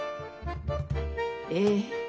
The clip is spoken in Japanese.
ええ。